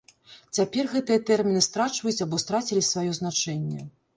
Цяпер гэтыя тэрміны страчваюць або страцілі сваё значэнне.